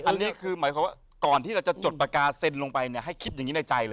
หมายความว่าก่อนที่เราจะจดปากกาเซ็นลงไปให้คิดอย่างนี้ในใจเลย